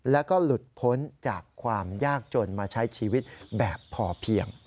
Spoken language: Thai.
แล้วก็หลุดพ้นจากความยากจนมาใช้ชีวิตแบบพอเพียง